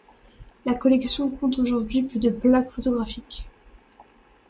La collection compte aujourd'hui plus de plaques photographiques.